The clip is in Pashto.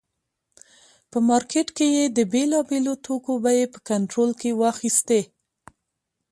په مارکېټ کې یې د بېلابېلو توکو بیې په کنټرول کې واخیستې.